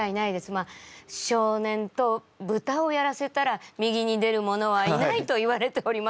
まあ少年とぶたをやらせたら右に出るものはいないといわれております。